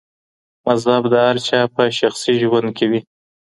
مذهب د هر چا په شخصي ژوند کي وي.